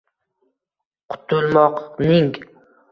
Qutulmoqning